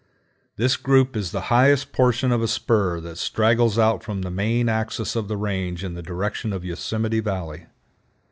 This group is the highest portion of a spur that straggles out from the main axis of the range in the direction of Yosemite Valley.